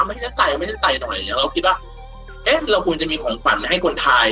ให้ฉันใส่ให้ฉันใส่หน่อยอย่างนี้เราก็คิดว่าเอ๊ะเราควรจะมีของขวัญให้คนไทย